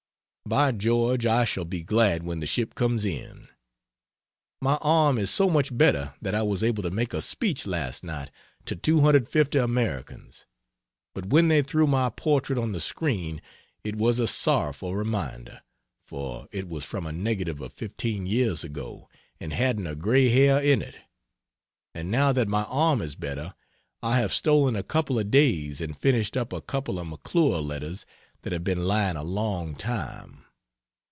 By George, I shall be glad when the ship comes in! My arm is so much better that I was able to make a speech last night to 250 Americans. But when they threw my portrait on the screen it was a sorrowful reminder, for it was from a negative of 15 years ago, and hadn't a gray hair in it. And now that my arm is better, I have stolen a couple of days and finished up a couple of McClure letters that have been lying a long time.